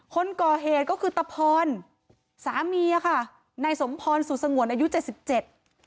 คนก่อเหตุก็คือตะพรสามีอ่ะค่ะนายสมพรสุสงวนอายุเจ็ดสิบเจ็ด